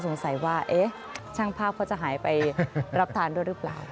สงสัยว่าเอ๊ะช่างภาพเขาจะหายไปรับทานด้วยหรือเปล่า